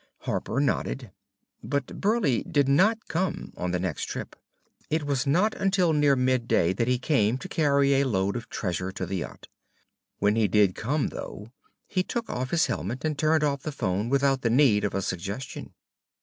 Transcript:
Harper nodded. But Burleigh did not come on the next trip. It was not until near midday that he came to carry a load of treasure to the yacht. When he did come, though, he took off his helmet and turned off the phone without the need of a suggestion.